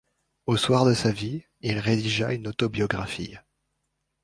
Au soir de sa vie, il rédigea une autobiographie.